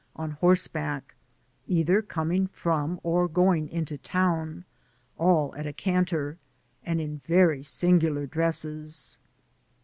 on horseback, either coming from or going into town, all at a canter, and in very singular dresses.